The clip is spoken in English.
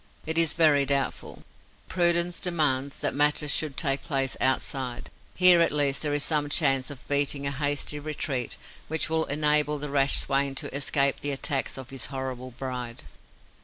It is very doubtful. Prudence demands that matters should take place outside. Here at least there is some chance of beating a hasty retreat which will enable the rash swain to escape the attacks of his horrible bride.